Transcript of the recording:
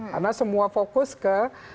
karena semua fokus ke